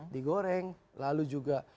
digoreng lalu juga